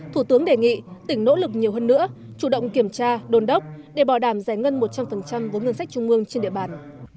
thủ tướng đề nghị tỉnh nỗ lực nhiều hơn nữa chủ động kiểm tra đồn đốc để bảo đảm giải ngân một trăm linh vốn ngân sách trung ương trên địa bàn